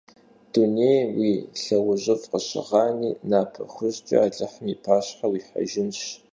Дунейм уи лъэужьыфӀ къыщыгъани, напэ хужькӀэ Алыхьым и пащхьэ уихьэжынщ…